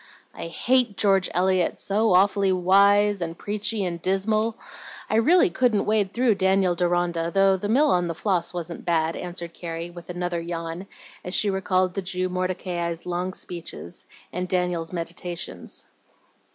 "I hate George Eliot, so awfully wise and preachy and dismal! I really couldn't wade through 'Daniel Deronda,' though 'The Mill on the Floss' wasn't bad," answered Carrie, with another yawn, as she recalled the Jew Mordecai's long speeches, and Daniel's meditations.